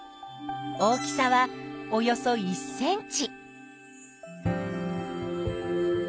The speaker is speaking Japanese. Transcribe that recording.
大きさはおよそ１ｃｍ。